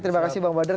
terima kasih bang badar